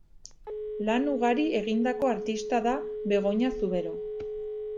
Lan ugari egindako artista da Begoña Zubero.